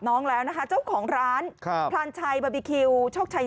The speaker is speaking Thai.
น้องแล้วนะคะเจ้าของร้านครับพลานชัยบาบีคิวโชคชัย